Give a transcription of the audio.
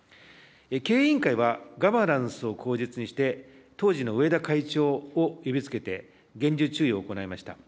経営委員会は、ガバナンスを口実にして、当時の上田会長を呼びつけて厳重注意を行いました。